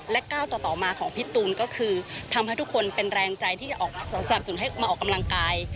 ก้าวต่อมาของพี่ตูนก็คือทำให้ทุกคนเป็นแรงใจที่จะออกสนับสนุนให้มาออกกำลังกาย